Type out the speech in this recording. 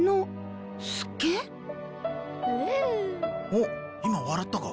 おっ今笑ったか？